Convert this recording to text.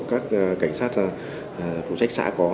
các cảnh sát phụ trách xã có